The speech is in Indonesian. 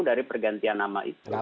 dari pergantian nama itu